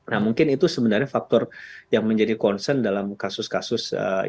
nah mungkin itu sebenarnya faktor yang menjadi concern dalam kasus kasus